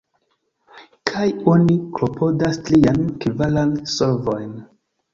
Kaj oni klopodas trian, kvaran solvojn.